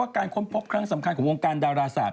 ค้นพบครั้งสำคัญของวงการดาราศาสต